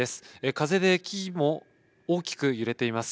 風で木々も大きく揺れています。